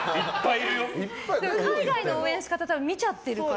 海外の応援見ちゃってるから。